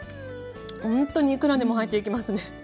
ほんとにいくらでも入っていきますね。